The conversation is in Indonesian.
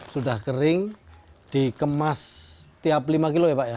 sudah kering dikemas setiap lima kg ya pak ya